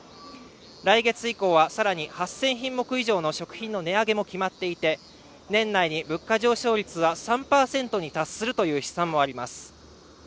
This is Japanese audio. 来月以降はさらに８０００品目以上の食品の値上げも決まっていて年内に物価上昇率は３％に達するという試算もあります